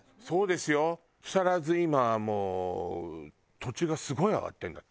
今はもう土地がすごい上がってるんだって。